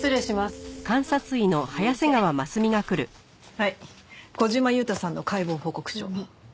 はい小島裕太さんの解剖報告書。